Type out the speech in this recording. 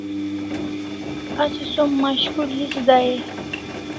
Asi som mashkul his dai e?